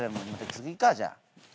次かじゃあ。